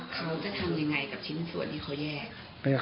เขาจะทำยังไงกับชิ้นส่วนที่เขาแยก